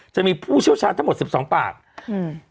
ผู้เชี่ยวชาญทั้งหมดสิบสองปากอืม